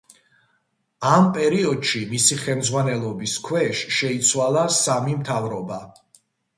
ამ პერიოდში მისი ხელმძღვანელობის ქვეშ შეიცვალა სამი მთავრობა.